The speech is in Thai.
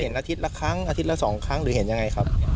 อาทิตย์ละครั้งอาทิตย์ละ๒ครั้งหรือเห็นยังไงครับ